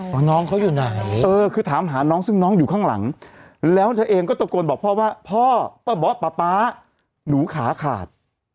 ว่าน้องเขาอยู่ไหนเออคือถามหาน้องซึ่งน้องอยู่ข้างหลังแล้วเธอเองก็ตะโกนบอกพ่อว่าพ่อป้าบ๊ะป๊าป๊าหนูขาขาด